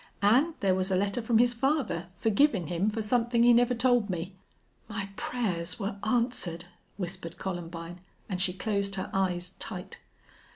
An' there was a letter from his father, forgivin' him for somethin' he never told me." "My prayers were answered!" whispered Columbine, and she closed her eyes tight.